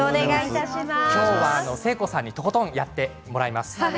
今日は誠子さんにとことんやってもらいます。